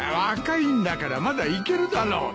若いんだからまだいけるだろ。